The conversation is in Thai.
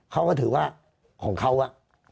เขาก็ถือว่าของเขาอะ